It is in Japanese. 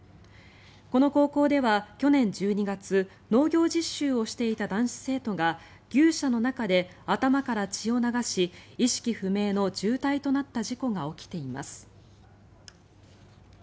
この高校では去年１２月農業実習をしていた男子生徒が肉牛舎の中で頭から血を流し意識不明の重体となった事故が起きています。